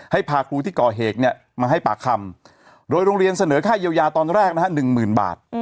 ให้พาครูที่ก่อเหตุเนี่ยมาให้ปากคำโดยโรงเรียนเสนอค่าเยียวยาตอนแรกนะฮะ๑๐๐๐บาท